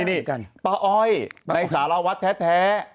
นี่ป้าอ้อยในสารวัฒน์แท้